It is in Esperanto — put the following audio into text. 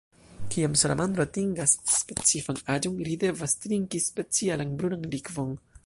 Kiam salamandro atingas specifan aĝon, ri devas trinki specialan brunan likvon.